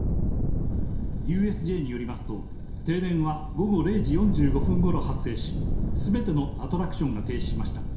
ＵＳＪによりますと、停電は、午後０時４５分ごろ発生し、すべてのアトラクションが停止しました。